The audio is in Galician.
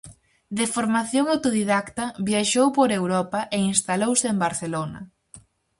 De formación autodidacta, viaxou por Europa e instalouse en Barcelona.